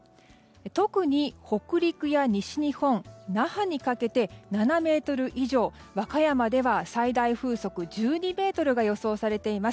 特に北陸や西日本、那覇にかけて７メートル以上、和歌山では最大瞬間風速１２メートルが予想されています。